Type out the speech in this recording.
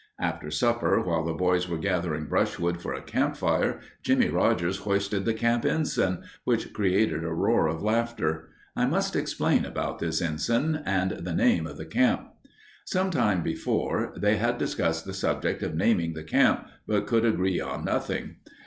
After supper, while the boys were gathering brushwood for a campfire, Jimmie Rogers hoisted the camp ensign, which created a roar of laughter. I must explain about this ensign and the name of the camp. Some time before they had discussed the subject of naming the camp, but could agree on nothing.